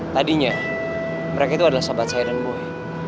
tadinya mereka tuh adalah sahabat saya dan gue